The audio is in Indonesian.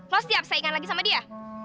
lo siap saingan lagi sama dia